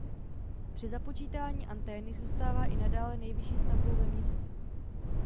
Při započítání antény zůstává i nadále nejvyšší stavbou ve městě.